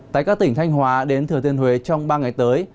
tại các tỉnh thanh hóa đến thừa thiên huế trong ba ngày tới